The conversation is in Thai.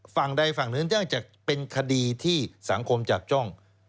ฝั่งใดฝั่งหนึ่งเนื่องจากเป็นคดีที่สังคมจับจ้อง